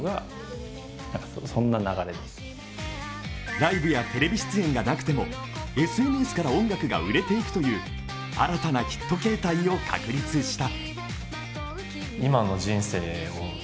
ライブやテレビ出演がなくてもＳＮＳから音楽が売れていくという新たなヒット形態を確立した。